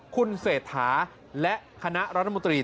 คุณเศรษฐาและคณะรัฐมนตรี